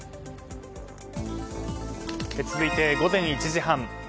続いて、午前１時半。